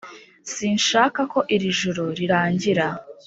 sinshaka ko iri joro rirangira.